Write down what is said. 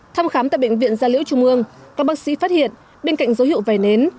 thăm khám tại bệnh viện gia liễu trung ương các bác sĩ phát hiện bên cạnh dấu hiệu vẩy nến